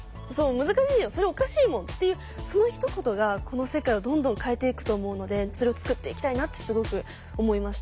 難しいよそれおかしいもん」っていうそのひと言がこの世界をどんどん変えていくと思うのでそれをつくっていきたいなってすごく思いました。